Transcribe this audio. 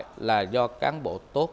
thất bại là do cán bộ tốt